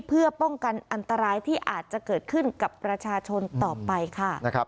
เพื่อป้องกันอันตรายที่อาจจะเกิดขึ้นกับประชาชนต่อไปค่ะ